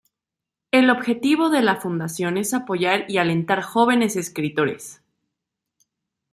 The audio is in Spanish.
El objetivo de la fundación es apoyar y alentar jóvenes escritores.